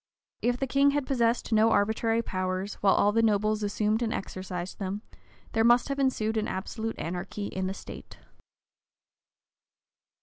If the king had possessed no arbitrary powers, while all the nobles assumed and exercised them, there must have ensued an absolute anarchy in the state.